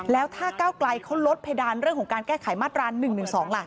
แล้วถ้าก้าวไกลเขาลดเพดานเรื่องของการแก้ไขมาตรา๑๑๒ล่ะ